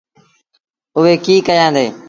اُئي ڪيٚ ڪيآندي۔